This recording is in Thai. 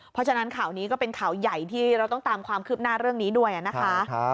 เพราะฉะนั้นข่าวนี้ก็เป็นข่าวใหญ่ที่เราต้องตามความคืบหน้าเรื่องนี้ด้วยนะคะ